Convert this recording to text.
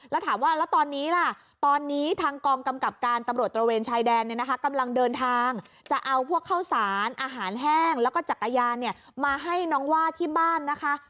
แล้วถามว่าแล้วตอนนี้ล่ะตอนนี้ทางกองกำกับการตำรวจตระเวนชายแดนเนี่ยนะคะกำลังเดินทางจะเอาพวกข้าวสารอาหารแห้งแล้วก็จักรยานเนี่ยมาให้น้องว่าที่บ้านนะคะ